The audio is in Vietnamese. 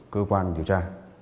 cơ quan điều tra